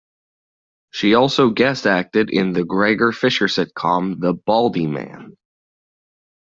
She also guest-acted in the Gregor Fisher sitcom The "Baldy Man".